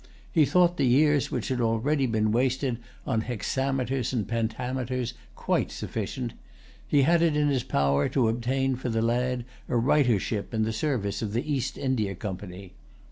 He thought the years which had already been wasted on hexameters and pentameters quite sufficient. He had it in his power to obtain for the lad a writership in the service of the East India Company.